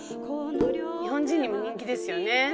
日本人にも人気ですよね。